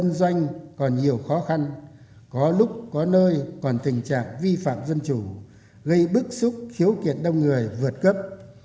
dân doanh còn nhiều khó khăn có lúc có nơi còn tình trạng vi phạm dân chủ gây bức xúc khiếu kiện đông người vượt cấp